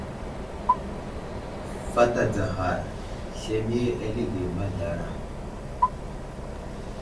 Fat adzaghar ,zlemiye alige mazlara.